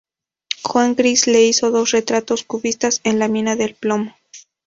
Juan Gris le hizo dos retratos cubistas en la mina de plomo.